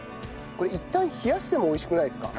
これいったん冷やしても美味しくないですか？